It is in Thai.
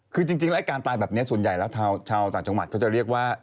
คือจริงแล้วการตายแบบนี้ส่วนใหญ่แล้วชาวต่างจังหวัดเขาจะเรียกว่า